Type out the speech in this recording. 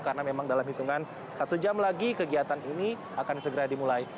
karena memang dalam hitungan satu jam lagi kegiatan ini akan segera dimulai